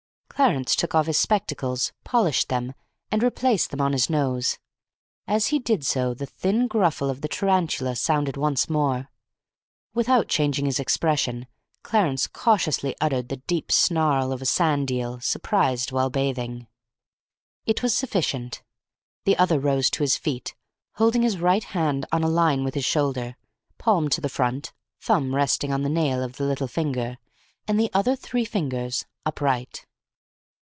Clarence took off his spectacles, polished them, and replaced them on his nose. As he did so, the thin gruffle of the tarantula sounded once more. Without changing his expression, Clarence cautiously uttered the deep snarl of a sand eel surprised while bathing. It was sufficient. The other rose to his feet, holding his right hand on a line with his shoulder, palm to the front, thumb resting on the nail of the little finger, and the other three fingers upright.